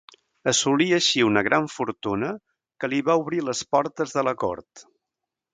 Assolí així una gran fortuna que li va obrir les portes de la Cort.